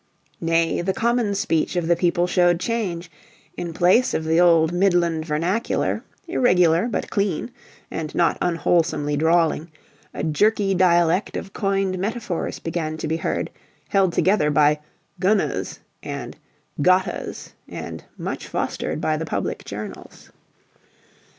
Nay, the common speech of the people showed change: in place of the old midland vernacular, irregular but clean, and not unwholesomely drawling, a jerky dialect of coined metaphors began to be heard, held together by GUNNAS and GOTTAS and much fostered by the public journals.